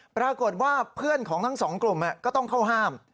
ปรากฏว่าเพื่อนของทั้งสองกลุ่มก็ต้องเข้าห้าม